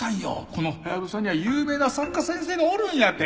このハヤブサには有名な作家先生がおるんやて。